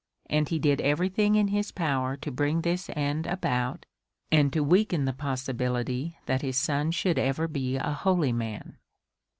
And he did everything in his power to bring this end about and to weaken the possibility that his son should ever be a holy man.